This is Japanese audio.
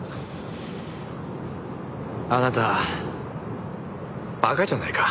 あなたバカじゃないか？